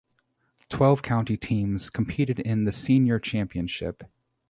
Twelve county teams competed in the Senior Championship.